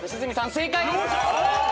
正解です。